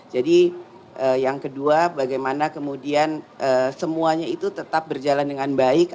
jadi yang kedua bagaimana kemudian semuanya itu tetap berjalan dengan baik